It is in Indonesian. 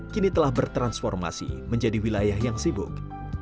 kini telah bertransformasi menjadi wilayah yang sibuk